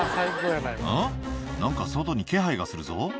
「うん？何か外に気配がするぞ」